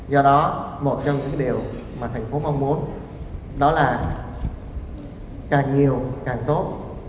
do đó một trong những điều mà thành phố mong muốn đó là càng nhiều càng tốt